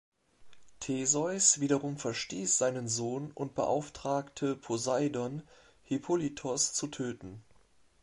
Theseus wiederum verstieß seinen Sohn und beauftragte Poseidon, Hippolytos zu töten.